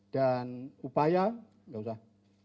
dan upaya enggak usah